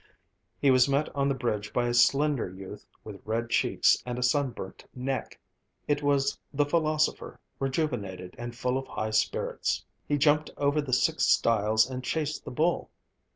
He was met on the bridge by a slender youth with red cheeks and a sunburnt neck. It was the philosopher, rejuvenated and full of high spirits. He jumped over the six stiles and chased the bull.